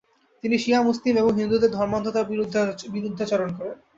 তিনি শিয়া মুসলিম এবং হিন্দুদের ধর্মান্ধতার বিরুদ্ধচারণ করেন।